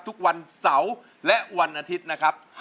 ทุกวันเสาร์และวันอาทิตย์นะครับ